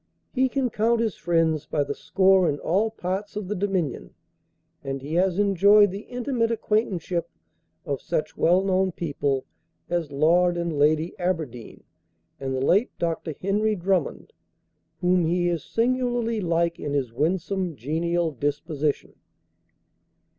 He can count his friends by the score in all parts of the Dominion, and he has enjoyed the intimate acquaintanceship of such well known people as Lord and Lady Aberdeen, and the late Dr. Henry Drummond, whom he is singularly like in his winsome, genial disposition.